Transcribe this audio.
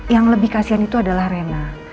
yang lebih kasian itu adalah rena